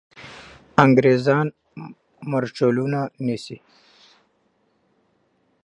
انګریزان مرچلونه نیسي.